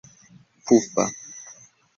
pufa